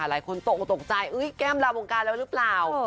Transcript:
หลายคนตกตกใจแก้มลาวงการแล้วหรือเปล่า